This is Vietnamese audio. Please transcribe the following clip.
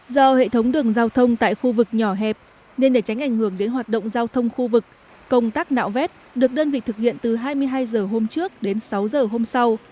do hệ thống đường giao thông tại khu vực nhỏ hẹp nên để tránh ảnh hưởng đến hoạt động giao thông khu vực công tác nạo vét được đơn vị thực hiện từ hai mươi hai h hôm trước đến sáu h hôm sau